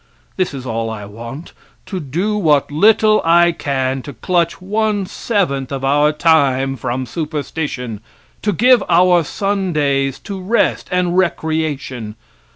This is all I want: To do what little I can to clutch one seventh of our time from superstition, to give our Sundays to rest and recreation.